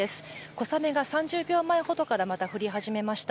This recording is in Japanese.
小雨が３０秒前ほどからまた降り始めました。